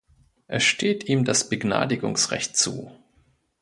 Es steht ihm das Begnadigungsrecht zu.